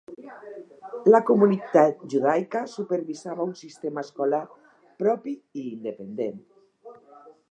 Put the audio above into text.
La comunitat judaica supervisava un sistema escolar propi i independent.